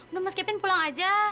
udah mas kevin pulang aja